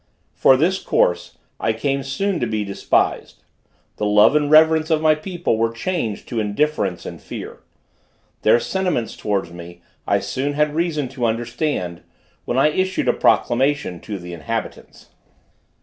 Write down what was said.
For this course, I came soon to be despised; the love and reverence of my people were changed to indifference and fear. Their sentiments towards me I soon had reason to understand, when I issued a proclamation to the inhabitants.